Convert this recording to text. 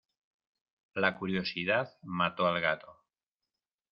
La curiosidad mató al gato.